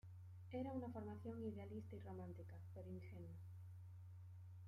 Era una formación idealista y romántica, pero ingenua.